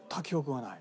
ない。